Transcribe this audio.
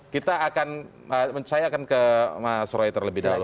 kita akan saya akan ke mas roy terlebih dahulu